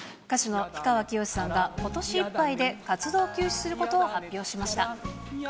歌手の氷川きよしさんが、ことしいっぱいで活動休止することを発表しました。